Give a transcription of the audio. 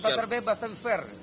bukan pasar bebas dan fair